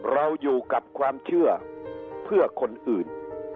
เราอยู่กับความเชื่อเพื่อคนอื่น